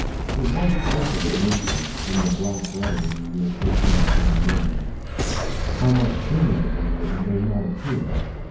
It was printed at Naples, in the black letter, in the year 1529. How much sooner it was written does not appear.